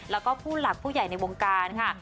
แล้วก็ผู้หลักผู้ใหญ่ในวงการค่ะ